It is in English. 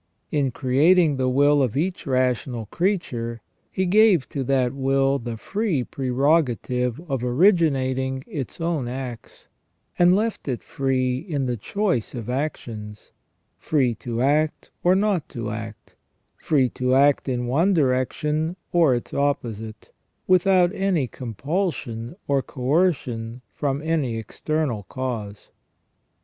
In creating the will of each rational creature, He gave to that will the free prerogative of originating its own acts, and left it free in the choice of actions, free to act or not to act, free to act in one direction or its opposite, without any compulsion or coercion from any external cause.